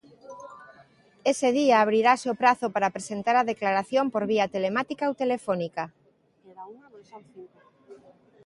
Ese día abrirase o prazo para presentar a declaración por vía telemática ou telefónica.